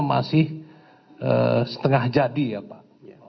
masih setengah jadi ya pak